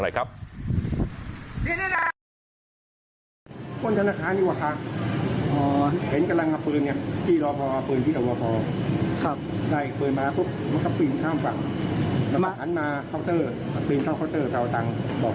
หาขนาดนี้ก็วิ่งด้วยหาของด้วยการเจอตีคนวิ่ง